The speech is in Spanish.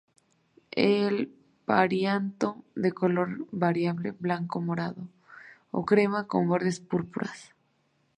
El perianto de color variable, blanco, morado o crema con bordes púrpuras.